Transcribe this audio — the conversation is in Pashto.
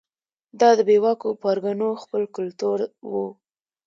دا د بې واکو پرګنو خپل کلتور و.